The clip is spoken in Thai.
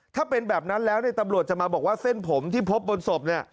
ถ้าเป็นแบบนั้นแล้วตำรวจจะมาบอกว่าเส้นผมที่พบบนศพ